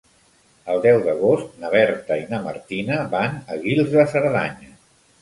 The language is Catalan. El deu d'agost na Berta i na Martina van a Guils de Cerdanya.